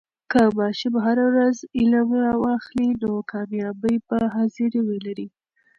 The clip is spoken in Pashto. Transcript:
که ماشوم هر ورځ علم واخلي، نو کامیابي به حاضري ولري.